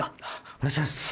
お願いします。